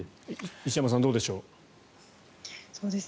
石山さん、どうでしょう。